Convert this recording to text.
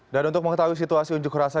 dan untuk mengetahui situasi unjuk rasa